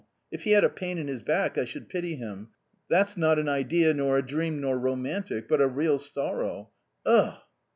If he had a pain in his back, I should pity him ; that not an idea, nor a dream, nor romantic, but a real sorrow .... Ugh